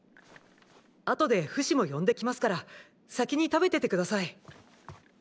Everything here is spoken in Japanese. あとでフシも呼んできますから先に食べてて下さい。